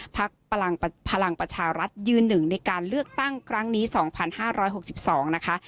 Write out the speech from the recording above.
พลังประชารัฐยืนหนึ่งในการเลือกตั้งครั้งนี้๒๕๖๒นะคะ